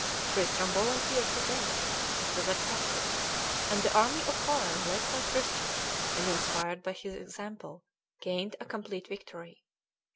Tristram volunteered his aid. It was accepted; and the army of Hoel, led by Tristram, and inspired by his example, gained a complete victory.